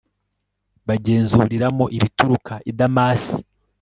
bagenzuriramo ibituruka i damasi